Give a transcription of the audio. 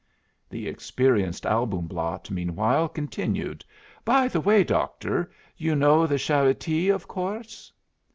The experienced Albumblatt meanwhile continued, "By the way, Doctor, you know the Charite, of course?"